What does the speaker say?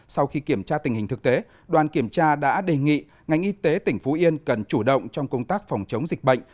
sau khi kiểm tra tình hình thực tế đoàn kiểm tra đã đề nghị ngành y tế tỉnh phú yên cần chủ động trong công tác phòng chống dịch bệnh